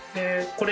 これ。